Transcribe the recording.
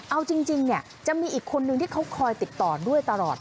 เอาจริงเนี่ยจะมีอีกคนนึงที่เขาคอยติดต่อด้วยตลอด